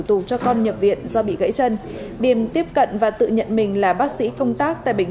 tù cho con nhập viện do bị gãy chân điểm tiếp cận và tự nhận mình là bác sĩ công tác tại bệnh